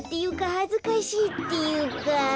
はずかしいっていうか。